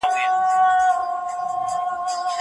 ښه ژبه عزت راوړي.